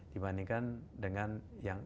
dibandingkan dengan yang